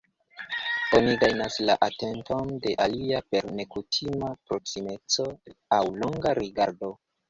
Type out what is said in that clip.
Oni gajnas la atenton de alia per nekutima proksimeco aŭ longa rigardo.